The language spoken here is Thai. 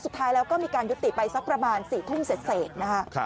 สุดท้ายแล้วก็มีการยุติไปสักประมาณ๔ทุ่มเสร็จนะคะ